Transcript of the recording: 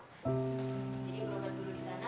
jadi berobat dulu di sana